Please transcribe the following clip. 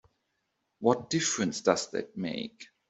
What difference does that make?